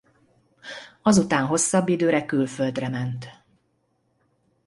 Azután hosszabb időre külföldre ment.